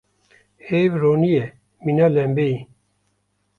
Heyv ronî ye mîna lembeyê.